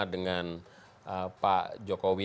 dengan pak jokowi